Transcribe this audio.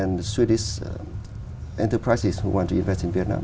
nếu chúng ta là một người thú vị việt nam